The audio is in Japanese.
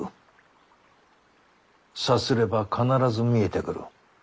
さすれば必ず見えてくる。